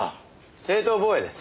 正当防衛です。